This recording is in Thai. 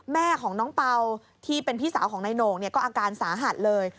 แม่ของน้องเป่าที่เป็นพี่สาวของนายโหน่งก็อาการสาหัสเลย